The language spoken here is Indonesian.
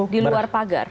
di luar pagar